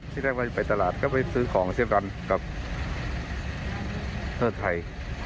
ที่ได้ไปตลาดก็ไปซื้อของเชื่อกันกับเธอไทย